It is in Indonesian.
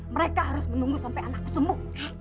mereka harus menunggu sampai anak sembuh